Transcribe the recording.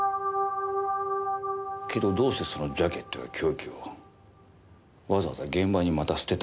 けどどうしてそのジャケットや凶器をわざわざ現場にまた捨てたんだ？